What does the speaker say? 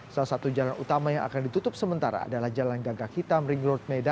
salah satu jalan utama yang akan ditutup sementara adalah jalan gagak hitam ring road medan